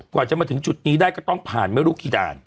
กว่าจะมาถึงจุดนี้ได้ก็ต้องผ่านไม่รู้กี่ด่าน